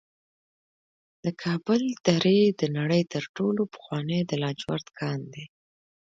د کابل درې د نړۍ تر ټولو پخوانی د لاجورد کان دی